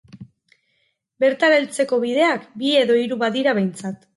Bertara heltzeko bideak, bi edo hiru badira behintzat.